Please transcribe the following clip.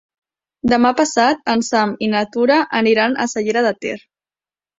Demà passat en Sam i na Tura aniran a la Cellera de Ter.